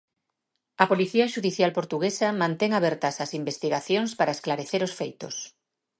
A policía xudicial portuguesa mantén abertas as investigacións para esclarecer os feitos.